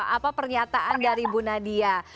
apa pernyataan dari bu nadia